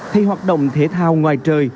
thì hoạt động thể thao ngoài trời